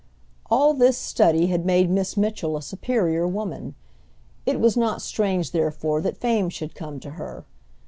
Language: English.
All this study had made Miss Mitchell a superior woman. It was not strange, therefore, that fame should come to her.